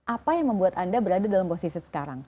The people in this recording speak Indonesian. apa yang membuat anda berada dalam posisi sekarang